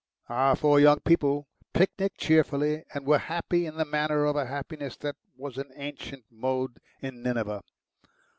Our four young people picnicked cheerfully, and were happy in the manner of a happiness that was an ancient mode in Nineveh.